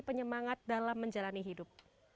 penyemangat dalam menjalani hidup